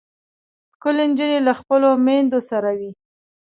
ښکلې نجونې له خپلو میندو سره وي.